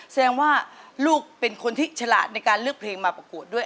แสดงว่าลูกเป็นคนที่ฉลาดในการเลือกเพลงมาประกวดด้วย